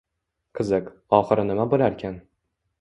Qiziq, oxiri nima bo‘larkan?